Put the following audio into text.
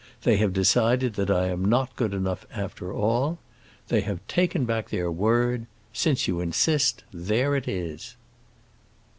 They have decided that I am not good enough, after all. They have taken back their word. Since you insist, there it is!"